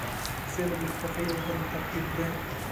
فلم د خوښۍ او غم ترکیب دی